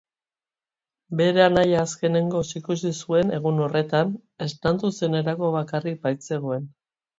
Bere anaia azkenengoz ikusi zuen egun horretan, esnatu zenerako bakarrik baitzegoen.